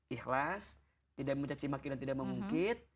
ikhlas tidak mencacimaki dan tidak memungkit